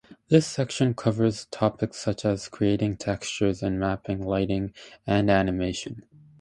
This section covers topics such as creating textures and mapping, lighting, and animation.